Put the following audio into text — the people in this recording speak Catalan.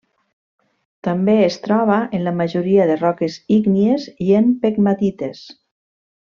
També es troba en la majoria de roques ígnies i en pegmatites.